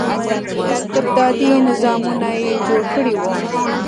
استبدادي نظامونه یې جوړ کړي وو.